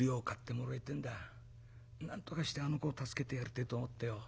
なんとかしてあの子を助けてやりてえと思ってよ。